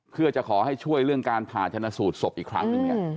เพื่อจะขอให้ช่วยเรื่องการผ่าชนะสูตรศพอีกครั้งหนึ่งเนี่ย